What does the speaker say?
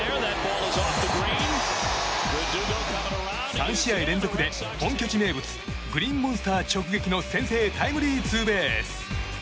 ３試合連続で本拠地名物グリーンモンスター直撃の先制タイムリーツーベース。